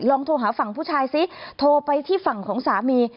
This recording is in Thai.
โทรหาฝั่งผู้ชายซิโทรไปที่ฝั่งของสามี